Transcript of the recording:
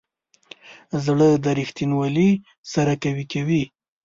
زړه د ریښتینولي سره قوي وي.